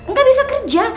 gak bisa kerja